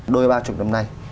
đôi ba chục năm nay